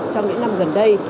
trong những năm gần đây